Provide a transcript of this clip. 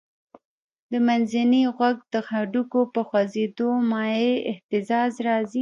د منځني غوږ د هډوکو په خوځېدو مایع اهتزاز راځي.